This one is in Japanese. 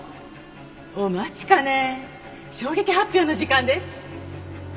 お待ちかね衝撃発表の時間です。